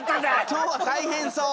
今日は大変そう。